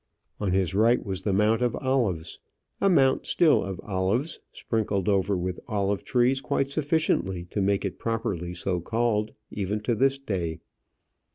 On his right was the Mount of Olives; a mount still of olives, sprinkled over with olive trees quite sufficiently to make it properly so called, even to this day.